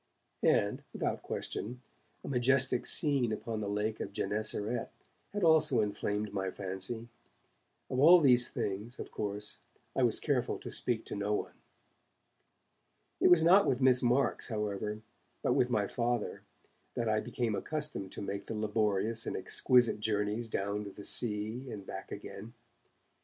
And, without question, a majestic scene upon the Lake of Gennesaret had also inflamed my fancy. Of all these things, of course, I was careful to speak to no one. It was not with Miss Marks, however, but with my Father, that I became accustomed to make the laborious and exquisite journeys down to the sea and back again.